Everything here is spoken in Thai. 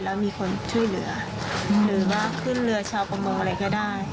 แล้วมีคนช่วยเหลือหรือว่าขึ้นเรือชาวประมงอะไรก็ได้